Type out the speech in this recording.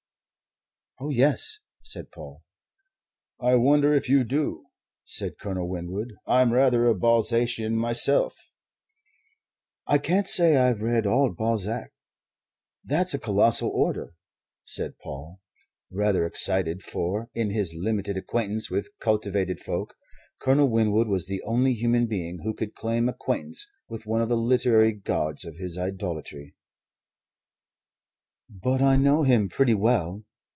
"Oh, yes," said Paul. "I wonder if you do," said Colonel Winwood. "I'm rather a Balzacian myself." "I can't say I've read all Balzac. That's a colossal order," said Paul, rather excited for, in his limited acquaintance with cultivated folk, Colonel Winwood was the only human being who could claim acquaintance with one of the literary gods of his idolatry "but I know him pretty well.